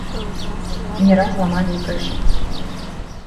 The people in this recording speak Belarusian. Не раз ламалі і крыжы.